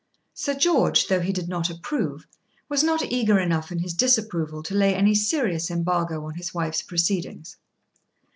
Sir George, though he did not approve, was not eager enough in his disapproval to lay any serious embargo on his wife's proceedings.